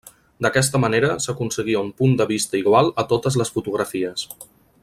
D'aquesta manera s'aconseguia un punt de vista igual a totes les fotografies.